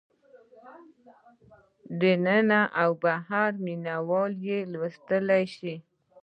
دننه او بهر مینه وال یې لوستلی شي.